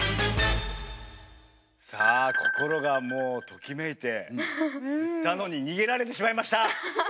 さあ心がもうときめいていたのに逃げられてしまいました。